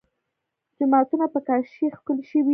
جوماتونه په کاشي ښکلي شوي.